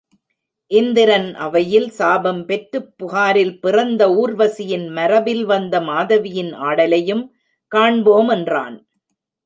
இந்திரன் அவையில் சாபம் பெற்றுப் புகாரில் பிறந்த ஊர்வசியின் மரபில் வந்த மாதவியின் ஆடலையும் காண்போம் என்றான்.